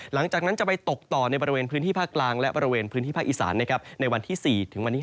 หลังจากนั้นจะไปตกต่อในบริเวณพื้นที่ภาคกลางและบริเวณพื้นที่ภาคอีสานในวันที่๔ถึงวันนี้